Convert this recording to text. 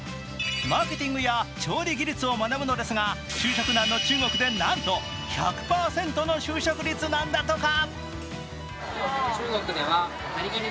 マーケティングや調理技術を学のですが就職難の中国でなんと１００％の就職率なんだとか。